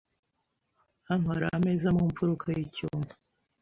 Hano hari ameza mu mfuruka yicyumba.